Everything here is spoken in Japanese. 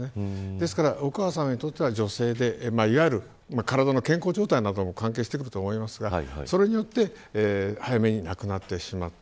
ですからお母様にとっては女性でいわゆる体の健康状態なども関係してくると思いますがそれによって早めに亡くなってしまった。